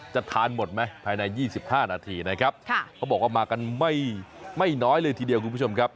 จะทานหมดไหมภายใน๒๕นาทีนะครับเขาบอกว่ามากันไม่น้อยเลยทีเดียวคุณผู้ชมครับ